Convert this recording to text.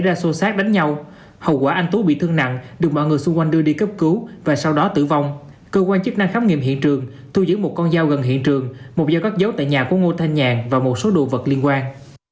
trong chiều tối ngày bốn tháng một mươi một văn phòng cơ quan cơ quan cơ quan chức năng khám nghiệm hiện trường thu giữ một con dao gần hiện trường một dao gắt dấu tại nhà của ngô thanh nhàn và một số đồ vật liên quan